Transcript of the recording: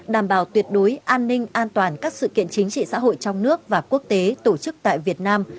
đảm bảo tuyệt đối an ninh an toàn các sự kiện chính trị xã hội trong nước và quốc tế tổ chức tại việt nam